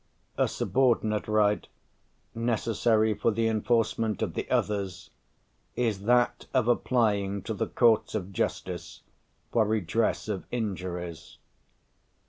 A subordinate right, necessary for the enforcement of the others, is "that of applying to the courts of justice for redress of injuries."